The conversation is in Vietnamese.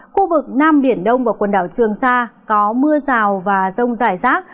khu vực nam biển đông và quần đảo trường sa có mưa rào và rông rải rác